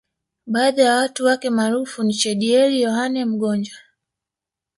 Baadhi ya watu wake maarufu niChedieli Yohane Mgonja